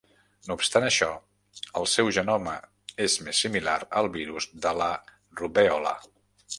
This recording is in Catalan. No obstant això, el seu genoma és més similar al virus de la rubèola.